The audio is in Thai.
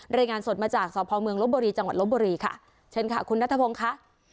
รายงานสดมาจากสพเมืองลบบุรีจังหวัดลบบุรีค่ะเชิญค่ะคุณนัทพงศ์ค่ะ